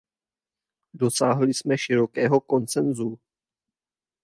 Dosáhli jsme širokého konsensu.